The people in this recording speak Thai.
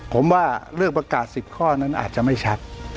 ผมว่าเรื่องประกาศ๑๐ข้อนั้นอาจจะไม่ชัด